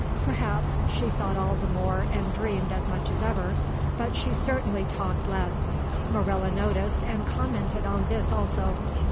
Perhaps she thought all the more and dreamed as much as ever, but she certainly talked less. Marilla noticed and commented on this also.